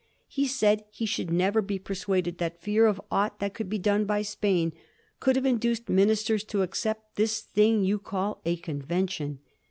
He said he should never be persuaded that fear of aught that could be done by Spain could have induced ministers to accept " this thing you call a convention."